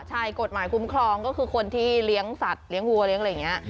ใช่กฎหมายคุ้มครองก็คือคนที่เลี้ยงสัตว์เลี้ยงวัวเลี้ยงอะไรอย่างนี้